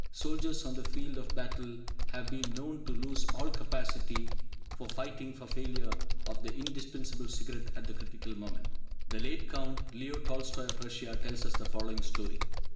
Soldiers on the field of battle have been known to lose all capacity for fighting for failure of the indispensable cigarette at the critical moment. The late Count Leo Tolstoi of Russia tells us the following story.